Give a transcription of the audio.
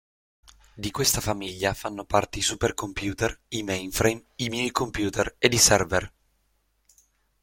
Di questa famiglia fanno parte i supercomputer, i mainframe, i minicomputer ed i server.